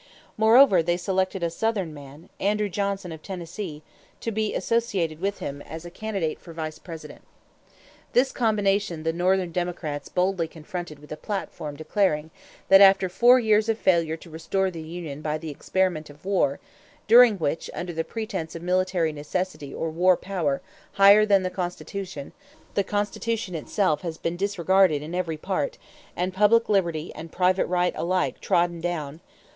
Moreover, they selected a Southern man, Andrew Johnson, of Tennessee, to be associated with him as candidate for Vice President. This combination the Northern Democrats boldly confronted with a platform declaring that "after four years of failure to restore the union by the experiment of war, during which, under the pretence of military necessity or war power higher than the Constitution, the Constitution itself has been disregarded in every part and public liberty and private right alike trodden down